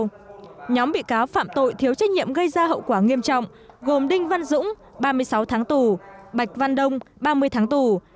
nhóm bị cáo phạm tội thiếu trách nhiệm gây hậu quả nghiêm trọng gồm đinh văn dũng ba mươi sáu tháng tù bạch văn đông ba mươi tháng tù